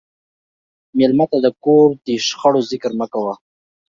مېلمه ته د کور د شخړو ذکر مه کوه.